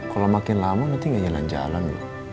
kalau makin lama nanti gak jalan jalan